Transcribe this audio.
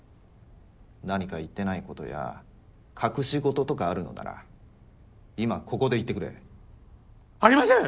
何か言ってないことや隠し事とかあるのなら今ここで言ってくれ。ありません！